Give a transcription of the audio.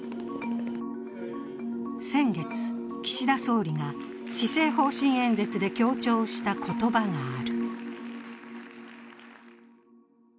先月、岸田総理が施政方針演説で強調した言葉がある。